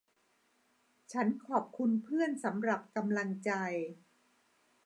ฉันขอบคุณเพื่อนสำหรับกำลังใจ